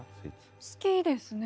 好きですね。